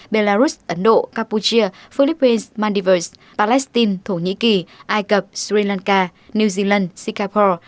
belarus ấn độ campuchia philippines maldives palestine thổ nhĩ kỳ ai cập sri lanka new zealand singapore